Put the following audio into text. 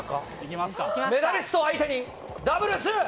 メダリスト相手にダブルス！